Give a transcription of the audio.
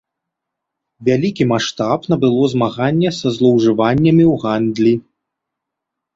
Вялікі маштаб набыло змаганне са злоўжываннямі ў гандлі.